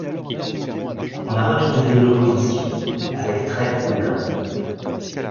On a retrouvé l’opposition, avec trait aux Blancs.